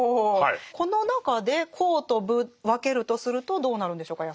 この中で「公」と「武」分けるとするとどうなるんでしょうか？